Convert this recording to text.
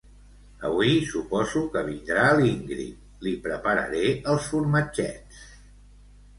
Avui suposo que vindrà l'Íngrid, li prepararé els formatgets